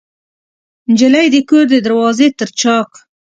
نجلۍ د کور د دروازې تر چاک